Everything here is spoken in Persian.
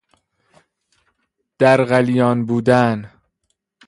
در غلیان بودن